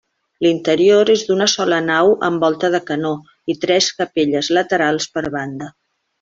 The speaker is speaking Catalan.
L'interior és d'una sola nau amb volta de canó i tres capelles laterals per banda.